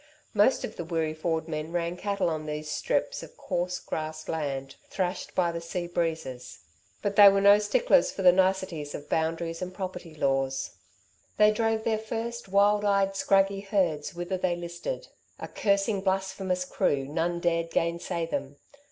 Most of the Wirree Ford men ran cattle on these strips of coarse grassed land, thrashed by the sea breezes. But they were no sticklers for the niceties of boundaries and property laws. They drove their first, wild eyed, scraggy herds whither they listed, a cursing, blasphemous crew, none dared gainsay them.